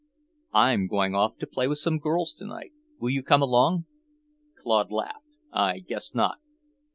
I'm going off to play with some girls tonight, will you come along?" Claude laughed. "I guess not."